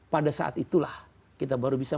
pada saat itulah kita baru bisa